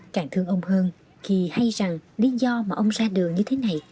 càng thương ông hơn thì hay rằng lý do mà ông ra đường như thế này